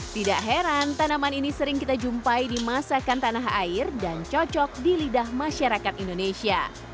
tidak heran tanaman ini sering kita jumpai di masakan tanah air dan cocok di lidah masyarakat indonesia